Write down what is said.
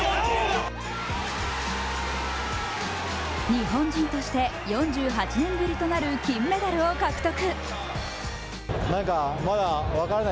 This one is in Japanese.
日本人として４８年ぶりとなる金メダルを獲得。